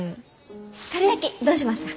かるやきどうしますか？